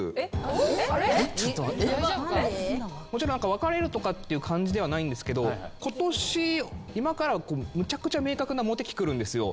別れるとかっていう感じではないんですけど今年今からむちゃくちゃ明確なモテ期くるんですよ。